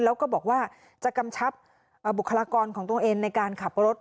แล้วก็บอกว่าจะกำชับบุคลากรของตัวเองในการขับรถ